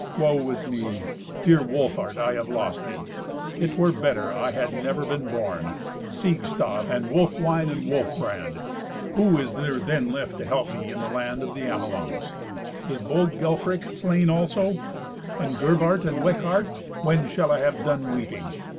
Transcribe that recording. "Woe is me, dear Wolfhart, if I have lost thee! It were better I had never been born. Siegstab and Wolfwine and Wolfbrand: who is there then left to help me in the land of the Amelungs? Is bold Gelfrich slain also? And Gerbart and Wichart? When shall I have done weeping?